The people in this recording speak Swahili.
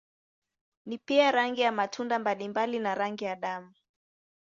Ni pia rangi ya matunda mbalimbali na rangi ya damu.